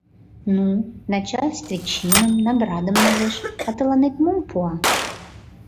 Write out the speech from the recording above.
— Ну, начальстве чиным, наградым налеш, а тыланет мом пуа?